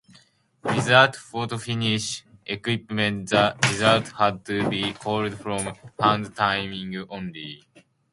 Without photo-finish equipment the result had to be called from hand-timing only.